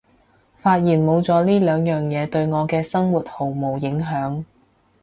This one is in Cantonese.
發現冇咗呢兩樣嘢對我嘅生活毫無影響